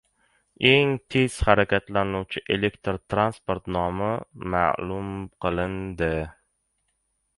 Eng tez harakatlanuvchi elektr transport nomi ma’lum qilindi